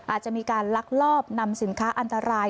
อาจจะมีการลักลอบนำสินค้าอันตราย